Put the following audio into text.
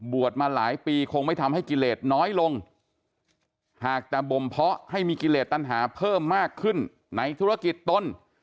มาหลายปีคงไม่ทำให้กิเลสน้อยลงหากแต่บ่มเพาะให้มีกิเลสตัญหาเพิ่มมากขึ้นในธุรกิจตน